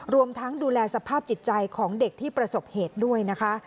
รวมทั้งดูแลสภาพจิตใจของเด็กที่ประสบเหตุด้วยนะคะ